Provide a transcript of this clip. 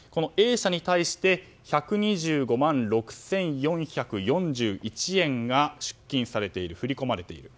Ａ社に対して１２５万６４４１円出金されている振り込まれている。